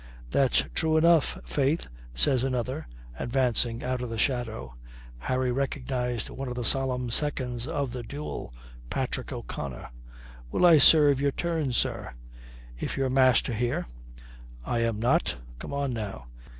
"That's true enough, faith," says another, advancing out of the shadow. Harry recognised one of the solemn seconds of the duel, Patrick O'Connor. "Will I serve your turn, sir?" "If you're master here." "I am not. Come on now."